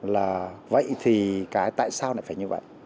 là vậy thì cái tại sao lại phải như vậy